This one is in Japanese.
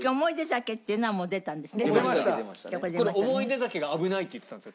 『おもいで酒』が危ないって言ってたんですよ